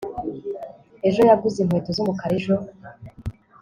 ejo yaguze inkweto z'umukara ejo